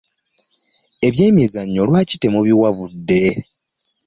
Ebyemizannyo lwaki temubiwa budde?